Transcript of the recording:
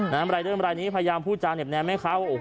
น้ำไรด้วยน้ำไรนี้พยายามพูดจ้าเนี่ยแแม้ค้า